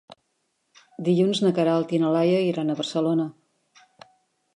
Dilluns na Queralt i na Laia iran a Barcelona.